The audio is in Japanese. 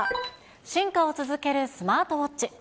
進化を続けるスマートウオッチ。